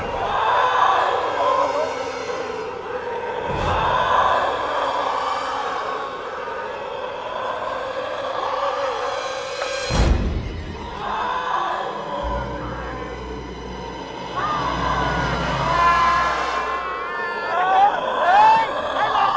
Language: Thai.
ก็ตัวใครตัวมันสิวะ